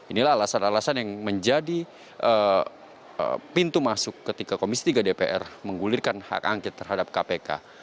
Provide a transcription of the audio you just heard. inilah alasan alasan yang menjadi pintu masuk ketika komisi tiga dpr menggulirkan hak angket terhadap kpk